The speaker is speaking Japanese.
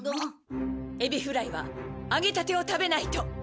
エビフライは揚げたてを食べないと。